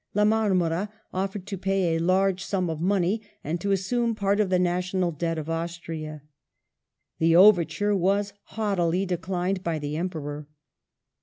La Marmora offered to pay a large sum of money, and to assume part of the National Debt of Austria The overture was haughtily declined by the Emperor.